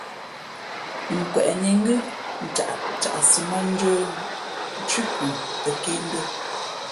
Nkweʼnǐ ngʉ́ caʼsi mᾱndjə̄ nthʉ́ pʉ tαkēmbʉ̄ᾱ.